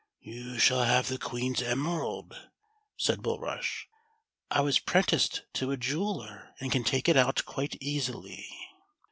"You shall have the Queen's emerald," said Bulrush. "I was prenticed to a jeweller, and can take it out quite easily."